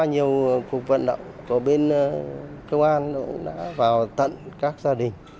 nhiều cuộc vận động của bên công an đã vào tận các gia đình